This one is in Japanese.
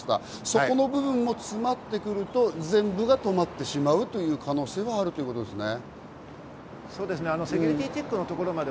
そこの部分も詰まってくると全部が止まってしまうという可能性もあるということですね。